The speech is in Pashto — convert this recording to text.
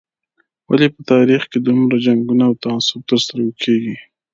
ولې په تاریخ کې دومره جنګونه او تعصب تر سترګو کېږي.